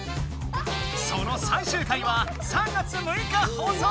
その最終回は３月６日ほうそう！